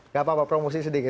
gak apa apa promosi sedikit